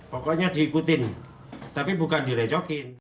pokoknya diikutin tapi bukan direcokin